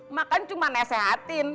emak kan cuma nesehatin